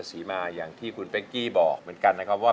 ศรีมาอย่างที่คุณเป๊กกี้บอกเหมือนกันนะครับว่า